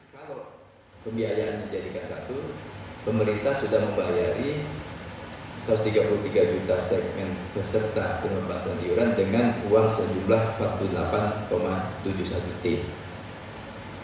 kalau pembiayaan menjadi k satu pemerintah sudah membayari rp satu ratus tiga puluh tiga juta sekmen beserta penumpang tunduran dengan uang sejumlah rp empat puluh delapan tujuh puluh satu